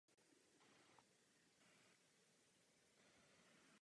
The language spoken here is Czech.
Po studiích se stal středoškolským profesorem.